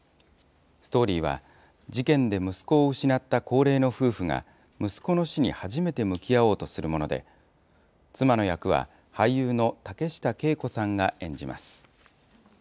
ストーリーは、事件で息子を失った高齢の夫婦が、息子の死に初めて向き合おうとするもので、妻の役は俳優の竹下景子さんが演じます。